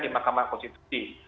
di mahkamah konstitusi